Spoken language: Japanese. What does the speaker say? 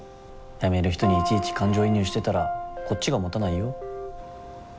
辞める人にいちいち感情移入してたらこっちがもたないよ。